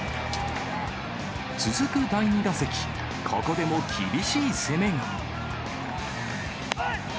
続く第２打席、ここでも厳しい攻めが。